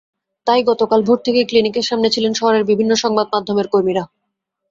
তাই গতকাল ভোর থেকেই ক্লিনিকের সামনে ছিলেন শহরের বিভিন্ন সংবাদমাধ্যমের কর্মীরা।